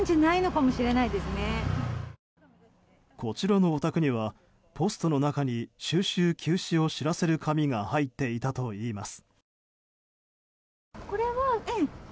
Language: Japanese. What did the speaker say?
こちらのお宅にはポストの中に収集休止を知らせる紙が入っていたといいます。